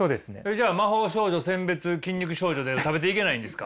じゃあ「魔法少女殲滅筋肉少女」で食べていけないんですか？